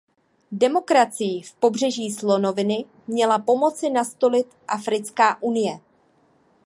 Demokracii v Pobřeží slonoviny měla pomoci nastolit Africká unie.